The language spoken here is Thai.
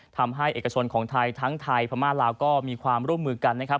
ทำให้เอกชนของไทยทั้งไทยพม่าลาวก็มีความร่วมมือกันนะครับ